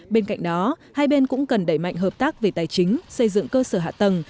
bên cạnh đó hai bên cũng cần đẩy mạnh hợp tác về tài chính xây dựng cơ sở hạ tầng